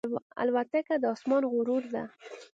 الوتکه د آسمان غرور ده.